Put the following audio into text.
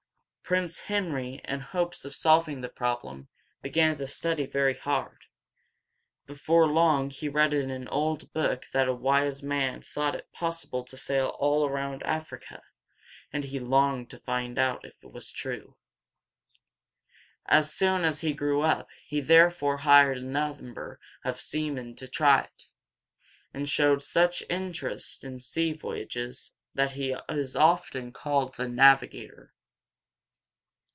Prince Henry, in hopes of solving the problem, began to study very hard. Before long he read in an old book that a wise man thought it possible to sail all around Africa, and he longed to find out if this was true. As soon as he grew up, he therefore hired a number of seamen to try it, and showed such interest in sea voyages that he is often called the Navigator.